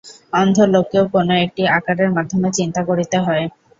অন্ধলোককেও কোন একটি আকারের মাধ্যমে চিন্তা করিতে হয়।